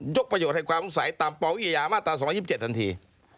ประโยชน์แห่งความสงสัยตามปวิทยามาตรา๒๒๗ทันที